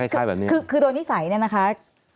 คือโดนนิสัยเนี่ยนะคะ